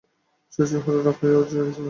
শশীর হঠাৎ রাগ হইয়া গিয়াছিল।